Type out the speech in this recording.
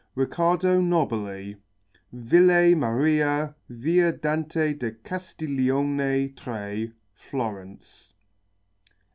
RICCARDO NOBILI. VILLE MARIE, VIA DANTE DA CASTIGLIONE 3, FLORENCE.